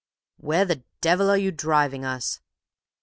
"Where the devil are you driving us?"